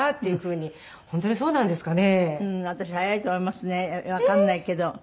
うん私早いと思いますねわかんないけど。